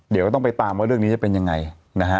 เดี๋ยวก็ต้องไปตามว่าเรื่องนี้จะเป็นยังไงนะฮะ